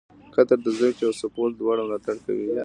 قطر د زده کړې او سپورټ دواړو ملاتړ کوي.